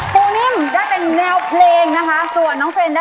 ก็เป็นร้องอ่ะ